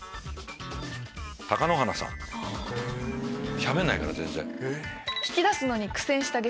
しゃべんないから全然。